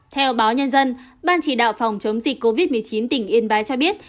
theo báo nhân dân ban chỉ đạo phòng chống dịch covid một mươi chín tỉnh yên bái cho biết